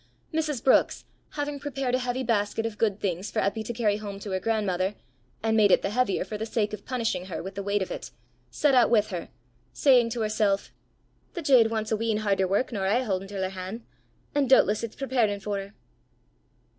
Mrs. Brookes, having prepared a heavy basket of good things for Eppy to carry home to her grandmother, and made it the heavier for the sake of punishing her with the weight of it, set out with her, saying to herself, "The jaud wants a wheen harder wark nor I hae hauden till her han', an' doobtless it's preparin' for her!"